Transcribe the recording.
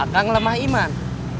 kang lemah iman